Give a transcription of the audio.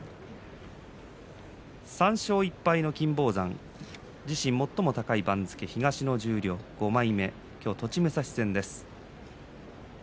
３勝１敗の金峰山自身最も高い番付東の十両５枚目です。